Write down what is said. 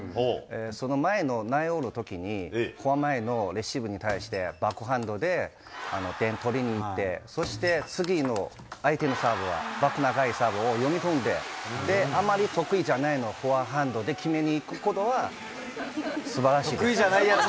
その前の９オールのときに、フォア前のレシーブに対して、バックハンドで、点取りにいって、そして次の相手のサーブは、バック長いサーブを読み込んで、あまり得意じゃないの、フォアハンドで決めにいくことはすばらしいと思います。